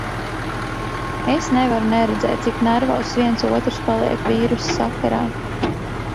Es nevaru neredzēt, cik nervozs viens otrs paliek vīrusa sakarā.